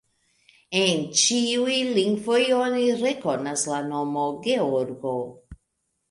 En ĉiuj lingvoj oni rekonas la nomo: Georgo.